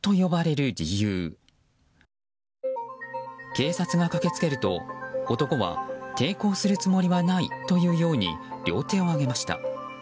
警察が駆けつけると、男は抵抗するつもりはないと言うように両手を上げました。